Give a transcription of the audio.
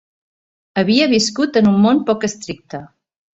Havia viscut en un món poc estricte.